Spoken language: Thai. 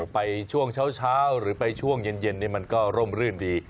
ไปช่วงเช้าหรือไปช่วงเย็นมันก็ร่มรื่นดี